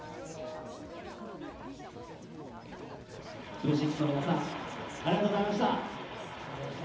Ｖ６の皆さん、ありがとうございました。